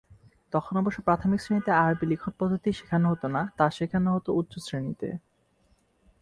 তখন অবশ্য প্রাথমিক শ্রেণিতে আরবি লিখনপদ্ধতি শেখানো হতো না, তা শেখানো হতো উচ্চ শ্রেণিতে।